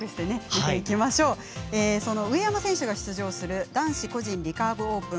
上山選手が出場する男子個人リカーブオープン。